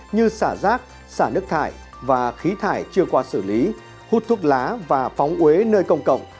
như xả rác xả nước thải và khí thải chưa qua xử lý hút thuốc lá và phóng uế nơi công cộng